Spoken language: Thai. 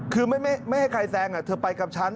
คือไม่ให้ใครแซงเธอไปกับฉัน